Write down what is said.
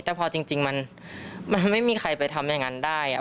แต่พอจริงมันไม่มีใครไปทำอย่างนั้นได้